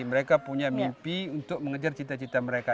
mereka punya mimpi untuk mengejar cita cita mereka